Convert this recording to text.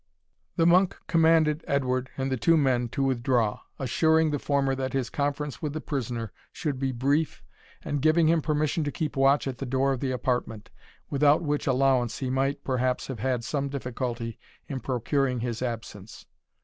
The monk commanded Edward and the two men to withdraw, assuring the former that his conference with the prisoner should be brief, and giving him permission to keep watch at the door of the apartment; without which allowance he might, perhaps, have had some difficulty in procuring his absence.